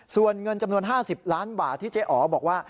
ส่วนเงินจำนวน๕๐ล้านบาทที่เจ๊อ๋อบอกว่า